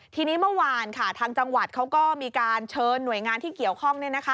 ทีนี้เมื่อวานค่ะทางจังหวัดเขาก็มีการเชิญหน่วยงานที่เกี่ยวข้อง